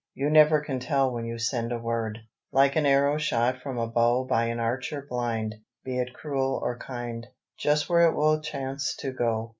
"You never can tell when you send a word Like an arrow shot from a bow By an archer blind be it cruel or kind, Just where it will chance to go.